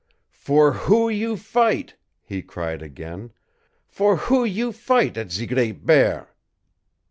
"For who you fight?" he cried again. "For who you fight at ze Great Bear?"